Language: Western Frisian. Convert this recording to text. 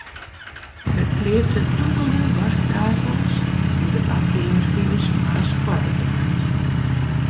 Wy pleatse dûbelde wasktafels om de badkeamerfiles moarns koarter te meitsjen.